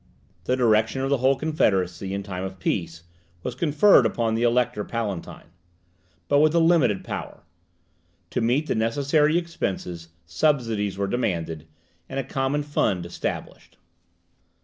The direction of the whole confederacy in time of peace was conferred upon the Elector Palatine, but with a limited power. To meet the necessary expenses, subsidies were demanded, and a common fund established.